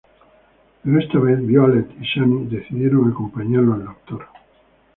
Pero esta vez Violet y Sunny decidieron acompañarlo al doctor.